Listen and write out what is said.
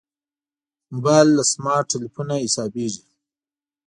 موبایل له سمارټ تلېفونه حسابېږي.